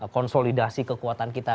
konsolidasi kekuatan kita